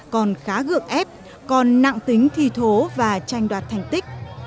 còn khá gượng ép còn nặng tính thi thố và tranh đoạt thành tích